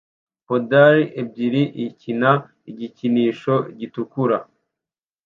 Poodles ebyiri ikina igikinisho gitukura